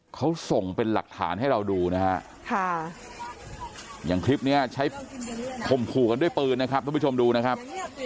เขาส่งเป็นหลักฐานให้เราดูนะฮะค่ะอย่างคลิปนี้ใช้ข่มขู่กันด้วยปืนนะครับ